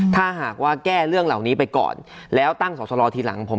ถ้าหากว่าแก้เรื่องเหล่านี้ไปก่อนแล้วตั้งสอสรอทีหลังผม